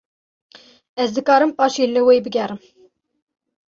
Ez dikarim paşê li we bigerim?